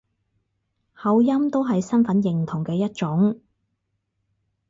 口音都係身份認同嘅一種